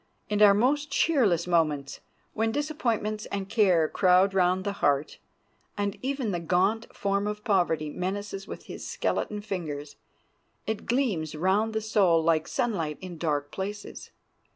In our most cheerless moments, when disappointments and care crowd round the heart, and even the gaunt form of poverty menaces with his skeleton fingers, it gleams round the soul like sunlight in dark places.